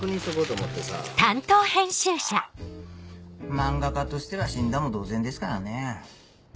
漫画家としては死んだも同然ですからね。